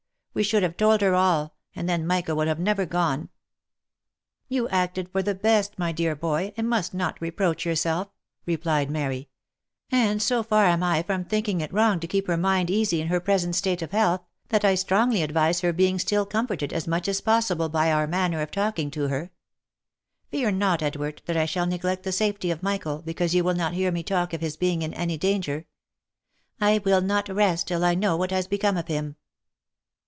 We should have told her all, and then Michael would have never gone !"" You acted for the best, my dear boy, and must not reproach your self," replied Mary ;" and so far am I from thinking it wrong to keep her mind easy in her present state of health, that I strongly advise her OF MICHAEL ARMSTRONG. 193 being still comforted as much as possible by our manner of talking to her. Fear not, Edward, that I shall neglect the safety of Michael, because you will not hear me talk of his being in any danger. I will not rest till I know what has become of him."